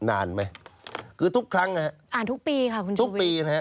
อ่านทุกปีค่ะคุณชุมวิ